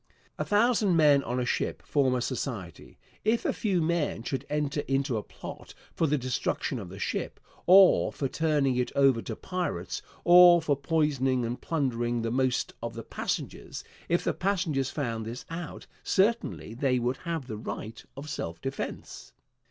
A thousand men on a ship form a society. If a few men should enter into a plot for the destruction of the ship, or for turning it over to pirates, or for poisoning and plundering the most of the passengers if the passengers found this out certainly they would have the right of self defence.